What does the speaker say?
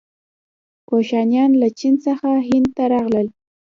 کوشانیان له چین څخه هند ته راغلل.